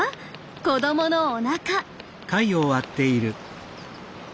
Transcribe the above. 子どものおなか。